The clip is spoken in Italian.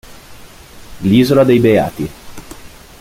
L'isola dei Beati.